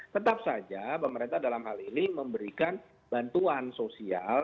tetap saja pemerintah dalam hal ini memberikan bantuan sosial